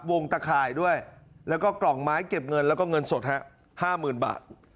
ตะข่ายด้วยแล้วก็กล่องไม้เก็บเงินแล้วก็เงินสด๕๐๐๐บาท